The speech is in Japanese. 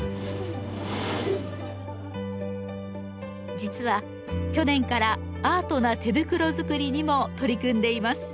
実は去年からアートな手袋づくりにも取り組んでいます。